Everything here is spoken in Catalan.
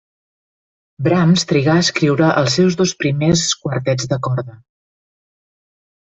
Brahms trigà a escriure els seus dos primers quartets de corda.